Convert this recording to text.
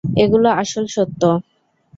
এগুলো আসল সত্য।